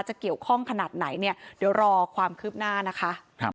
จะเกี่ยวข้องขนาดไหนเนี่ยเดี๋ยวรอความคืบหน้านะคะ